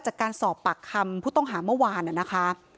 จากการสอบปากคำผู้ต้องหาเมื่อวานนะคะ